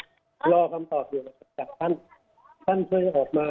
ท่านค่อยออกมาแล้วก็มาจริตแทนให้ประชาชนหรือชาวบ้าน